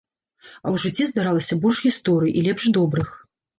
А ў жыцці здаралася больш гісторый, і лепш добрых.